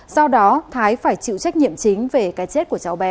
do đó thái phải chịu trách nhiệm chính về cái chết của cháu bé